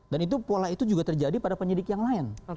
dan itu pola itu juga terjadi pada penyidik yang lain